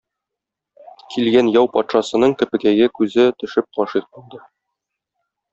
Килгән яу патшасының Көпекәйгә күзе төшеп гашыйк булды.